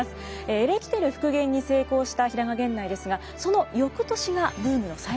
エレキテル復元に成功した平賀源内ですがその翌年がブームの最盛期となります。